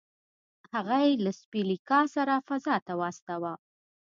هغه یې له سپي لیکا سره فضا ته واستاوه